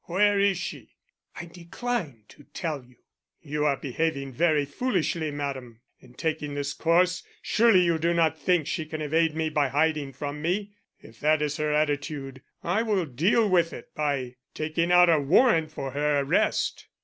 Where is she?" "I decline to tell you." "You are behaving very foolishly, madam, in taking this course. Surely you do not think she can evade me by hiding from me. If that is her attitude I will deal with it by taking out a warrant for her arrest."